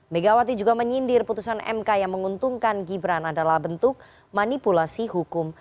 megawati juga menyindir putusan mk yang menguntungkan gibran adalah bentuk manipulasi hukum